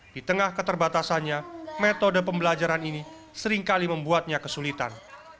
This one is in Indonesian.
di tengah keterbatasannya metode pembelajaran ini seringkali membuatnya kesulitan